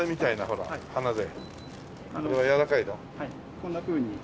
こんなふうに。